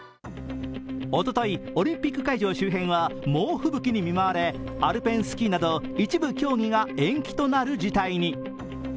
おととい、オリンピック会場周辺は猛吹雪に見舞われアルペンスキーなど一部競技が延期となる事態に。